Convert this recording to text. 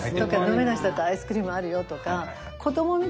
飲めない人だったらアイスクリームあるよとか。